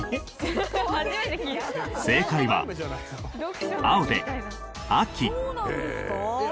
正解は青で秋。